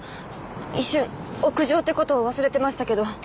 一瞬屋上って事を忘れてましたけど。